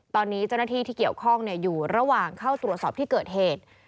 ตอนนี้เจ้าหน้าที่ที่เกี่ยวข้องอยู่ระหว่างเข้าตรวจสอบที่เกิดเหตุ